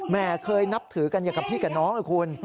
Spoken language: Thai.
เคยนับถือกันอย่างกับพี่กับน้องนะคุณ